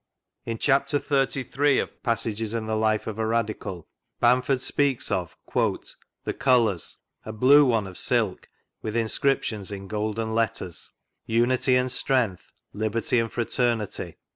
In chapter XXXIII. of Passages in the Life of a Radical Bamford speaks of " the colours; a blue one of silk, with inscriptions in golden letters: UNITY AND STRENGTH, LIBERTY AND FRATERNITY.